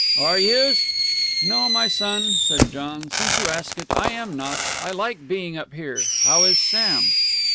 "Are youse ?" "No, my son," said John, "since you ask it, I am not. I like being up here. How is Sam?"